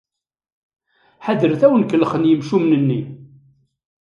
Ḥadret ad awen-kellxen yimcumen-nni!